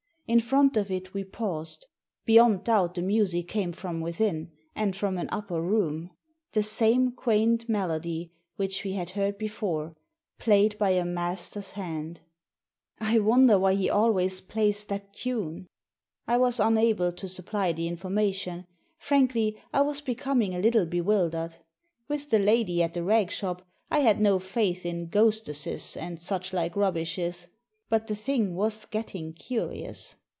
In front of it we paused. Beyond doubt the music came from within, and from an upper room ; the same quaint melody which we had heard before, played by a master's hand. I wonder why he always plays that tune ?" I was unable to supply the information. Frankly, I was becoming a little bewildered. With the lady at the rag shop, I had no faith in ''ghostesses and such like rubbishes," but the thing was getting curious.